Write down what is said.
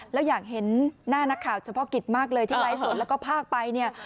แล้วอยากเห็นหน้านักข่าวเฉพาะกิจมากเลยที่ไลฟ์สดแล้วก็พากไปเนี่ย